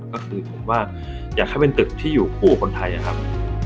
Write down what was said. ก็คือผมว่าอยากให้เป็นตึกที่อยู่คู่กับคนไทยนะครับ